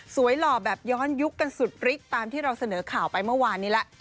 หล่อแบบย้อนยุคกันสุดฤกตามที่เราเสนอข่าวไปเมื่อวานนี้แล้ว